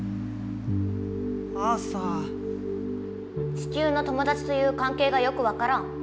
地球の友達というかんけいがよくわからん。